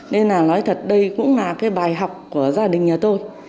nên là nói thật đây cũng là cái bài học của gia đình nhà tôi